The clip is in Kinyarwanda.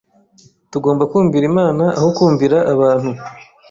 tugomba kumvira Imana aho kumvira abantu